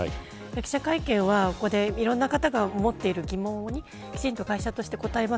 記者会見は、ここでいろんな方が持っている疑問にきちんと会社として答えます。